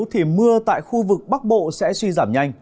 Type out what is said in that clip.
thì mưa tại khu vực bắc bộ sẽ suy giảm nhanh